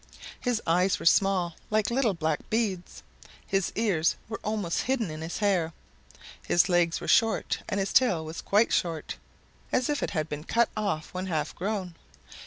His eyes were small, like little black beads. His ears were almost hidden in his hair. His legs were short and his tail was quite short, as if it had been cut off when half grown.